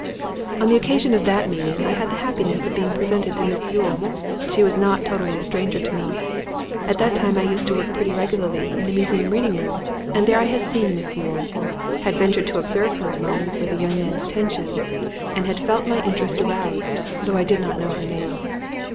'On the occasion of that meeting I had the happiness of being presented to Miss Yule. She was not totally a stranger to me; at that time I used to work pretty regularly in the Museum Reading room, and there I had seen Miss Yule, had ventured to observe her at moments with a young man's attention, and had felt my interest aroused, though I did not know her name.